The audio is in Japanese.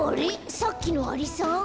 さっきのアリさん？